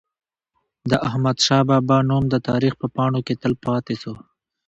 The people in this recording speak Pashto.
د احمد شاه بابا نوم د تاریخ په پاڼو کي تل پاتي سو.